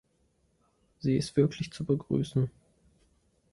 Sie ist wirklich zu begrüßen.